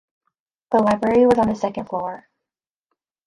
The library was on the second floor.